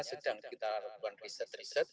sedang kita lakukan riset